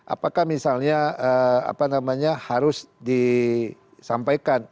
apakah misalnya apa namanya harus disampaikan